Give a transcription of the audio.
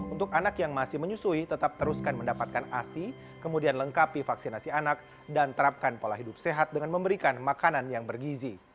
untuk anak yang masih menyusui tetap teruskan mendapatkan asi kemudian lengkapi vaksinasi anak dan terapkan pola hidup sehat dengan memberikan makanan yang bergizi